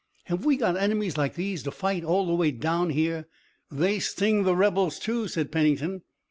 Have we got enemies like these to fight all the way down here?" "They sting the rebels, too," said Pennington.